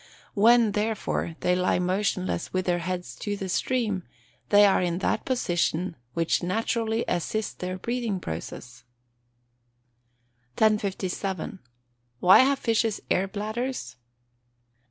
When, therefore, they lie motionless with their heads to the stream, they are in that position which naturally assists their breathing process. 1057. _Why have fishes air bladders?